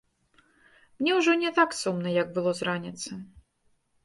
Мне ўжо не так сумна, як было з раніцы.